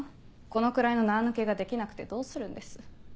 このくらいの縄抜けができなくてどうするんです。